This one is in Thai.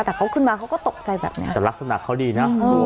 แต่เขาขึ้นมาเขาก็ตกใจแบบเนี้ยแต่ลักษณะเขาดีนะ